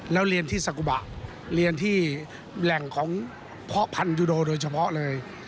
แล้วเรียนที่สากุบะเรียนที่แหล่งของพ่อพันธุโดโดยเฉพาะเลย